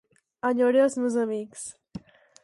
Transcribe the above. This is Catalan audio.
Enyore els meus amics.